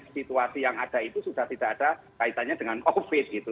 situasi yang ada itu sudah tidak ada kaitannya dengan covid gitu